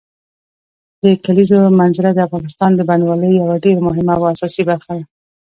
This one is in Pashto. د کلیزو منظره د افغانستان د بڼوالۍ یوه ډېره مهمه او اساسي برخه ده.